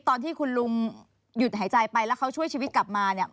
ตอนที่คุณลุงหยุดหายใจไปแล้วเขาช่วยชีวิตกลับมาเนี่ย